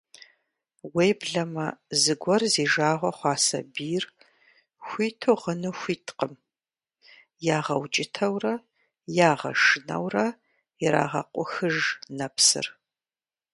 Уеблэмэ зыгуэр зи жагъуэ хъуа сабийр хуиту гъыну хуиткъым, ягъэукӀытэурэ, ягъэшынэурэ ирагъэкъухыж нэпсыр.